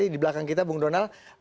di belakang kita bung donal